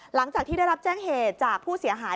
หลังจากที่ได้รับแจ้งเหตุจากผู้เสียหาย